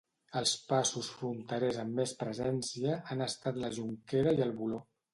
Els passos fronterers amb més presència han estat la Jonquera i el Voló.